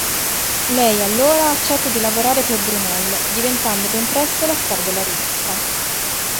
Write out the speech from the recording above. Lei, allora, accetta di lavorare per Brunel, diventando ben presto la star della rivista.